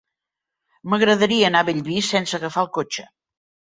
M'agradaria anar a Bellvís sense agafar el cotxe.